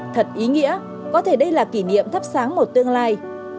thật ý nghĩa có thể đây là kỷ niệm thắp sáng một tương lai